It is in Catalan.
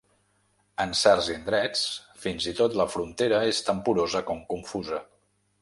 En certs indrets, fins i tot, la frontera és tan porosa com confusa.